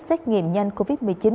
xét nghiệm nhanh covid một mươi chín